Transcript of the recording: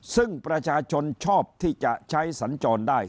ซึ่งประชาชนชอบที่จะใช้สัญจรได้